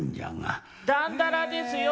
「だんだら」ですよ！